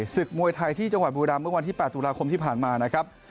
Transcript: ศึกมวยไทยที่จังหวัดบุรีรำเมื่อวันที่๘ตุลาคมที่ผ่านมานะครับ